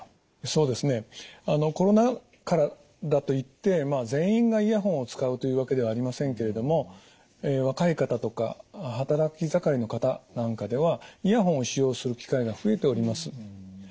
そうですねあのコロナ禍だといってまあ全員がイヤホンを使うというわけではありませんけれども若い方とか働き盛りの方なんかではイヤホンを使用する機会が増えております。